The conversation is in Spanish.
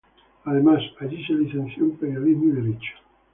Además, allí se licenció en periodismo y derecho.